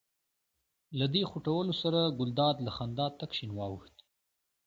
له دې خوټولو سره ګلداد له خندا تک شین واوښت.